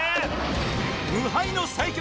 無敗の最強